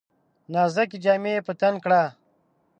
نازکي جامې په تن کړه !